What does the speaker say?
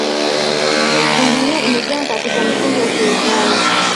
tanzania imejengwa katika misingi ya ushirikiano